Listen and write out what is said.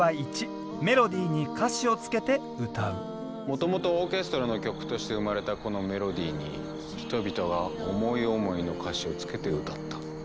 もともとオーケストラの曲として生まれたこのメロディーに人々が思い思いの歌詞をつけて歌った。